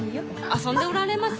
遊んでおられます？